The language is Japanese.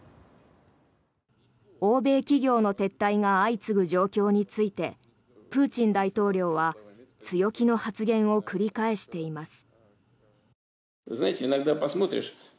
欧米企業の撤退が相次ぐ状況についてプーチン大統領は強気の発言を繰り返しています。